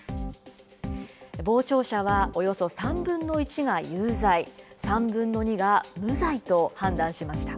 傍聴者はおよそ３分の１が有罪、３分の２が無罪と判断しました。